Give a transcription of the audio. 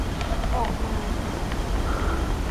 ออกมาก